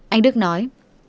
anh đức nói